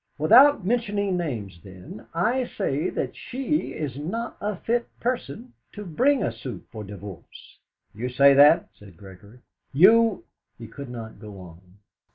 "Without mentioning names, then, I say that she is not a fit person to bring a suit for divorce!" "You say that?" said Gregory. "You " He could not go on.